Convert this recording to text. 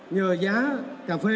nhờ giá cà phê